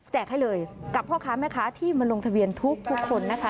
ให้เลยกับพ่อค้าแม่ค้าที่มาลงทะเบียนทุกคนนะคะ